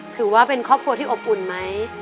ถือว่าเป็นครอบครัวที่อบอุ่นไหม